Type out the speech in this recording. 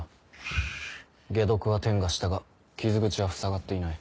解毒は貂がしたが傷口はふさがっていない。